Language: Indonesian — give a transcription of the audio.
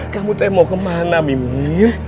kamu teh mau kemana mimin